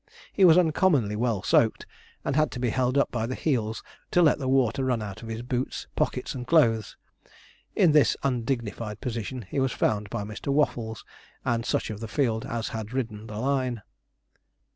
He was uncommonly well soaked, and had to be held up by the heels to let the water run out of his boots, pockets, and clothes. In this undignified position he was found by Mr. Waffles and such of the field as had ridden the line.